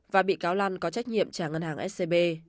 và bị cáo lan có trách nhiệm trả ngân hàng scb